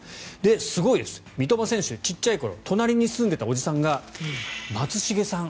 すごいです、三笘選手小っちゃい頃、隣に住んでいたおじさんが松重さん。